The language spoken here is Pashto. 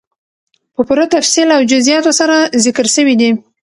په پوره تفصيل او جزئياتو سره ذکر سوي دي،